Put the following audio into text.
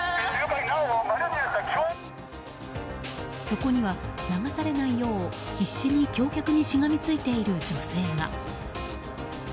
そこには流されないよう必死に橋脚にしがみついている女性が。